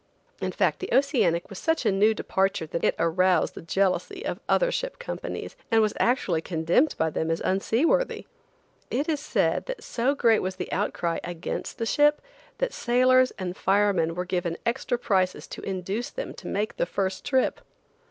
In fact, the Oceanic was such a new departure that it aroused the jealousy of other ship companies, and was actually condemned by them as unseaworthy. It is said that so great was the outcry against the ship that sailors and firemen were given extra prices to induce them to make the first trip.